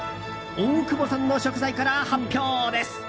大久保さんの食材から発表です！